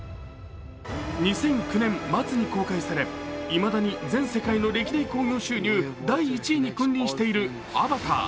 ２００９年末に公開されいまだに全世界の歴代興行収入第１位に君臨している「アバター」。